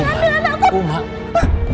jangan adil anakku